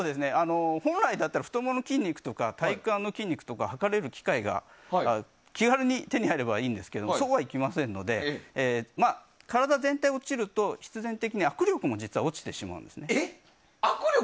本来だったら太ももの筋肉とか体幹の筋肉とかを測れる機械が気軽に手に入ればいいですがそうはいきませんので体全体が落ちると必然的に握力も実は落ちてしまうんですね。